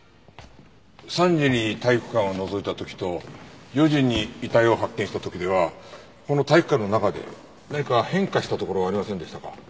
３時に体育館をのぞいた時と４時に遺体を発見した時ではこの体育館の中で何か変化したところはありませんでしたか？